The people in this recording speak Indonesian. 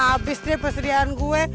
abis deh persediaan gua